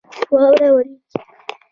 واوره رېږي.